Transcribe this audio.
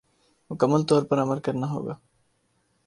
مکمل طور پر عمل کرنا ہوگا